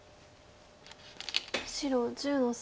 白１０の三。